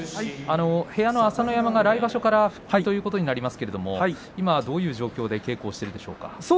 部屋の朝乃山は来場所から復帰ということになりますけれども今どういう状況で稽古していますか。